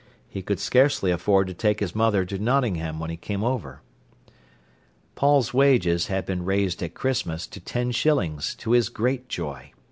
He could scarcely afford to take his mother to Nottingham when he came over. Paul's wages had been raised at Christmas to ten shillings, to his great joy.